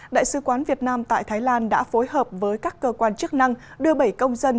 đại sứ quán việt nam tại thái lan đã phối hợp với các cơ quan chức năng đưa bảy công dân